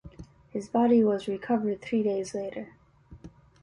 His body was recovered three days later.